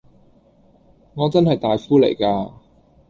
我真係大夫嚟㗎